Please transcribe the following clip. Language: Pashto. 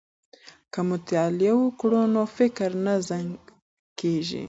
که مطالعه وکړو نو فکر نه زنګ کیږي.